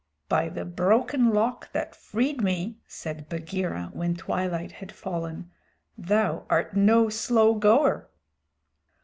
"By the Broken Lock that freed me," said Bagheera, when twilight had fallen, "thou art no slow goer!"